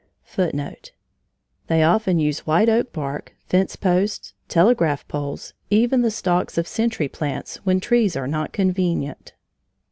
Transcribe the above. [Footnote 1: They often use white oak bark, fence posts, telegraph poles, even the stalks of century plants, when trees are not convenient.